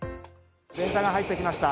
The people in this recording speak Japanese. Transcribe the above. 電車が入ってきました。